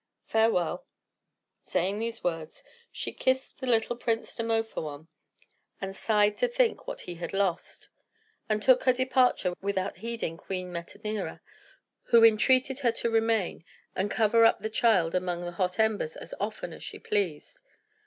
Farewell." Saying these words, she kissed the little Prince Demophoön, and sighed to think what he had lost, and took her departure without heeding Queen Metanira, who entreated her to remain, and cover up the child among the hot embers as often as she pleased.